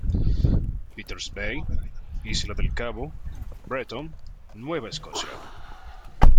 Peter's Bay, Isla del Cabo Bretón, Nueva Escocia.